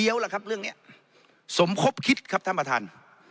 ล่ะครับเรื่องนี้สมคบคิดครับท่านประธาน